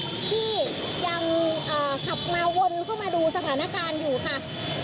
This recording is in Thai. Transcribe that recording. ที่ยังขับมาวนเข้ามาดูสถานการณ์อยู่ค่ะ